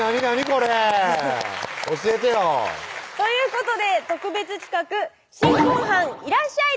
これ教えてよということで特別企画「新婚飯いらっしゃい！」